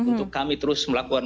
untuk kami terus melakukan